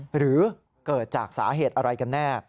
หรือเกิดจากสาเหตุอะไรกันแน่